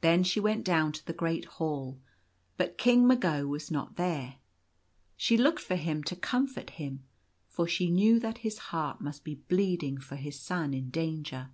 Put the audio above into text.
Then she went down to the great hall ; but King Magd was not there. She looked for him to comfort him, for she knew that his heart must be bleeding for his son in danger.